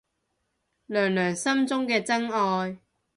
娘娘心目中嘅真愛